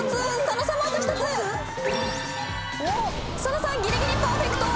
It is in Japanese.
佐野さんギリギリパーフェクト。